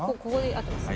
合ってます？